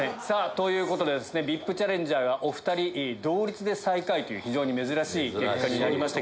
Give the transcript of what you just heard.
ということでＶＩＰチャレンジャーがお２人同率で最下位という非常に珍しい結果になりました。